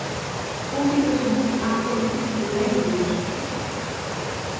Komt die tegemoet aan de politieke problemen van onze tijd?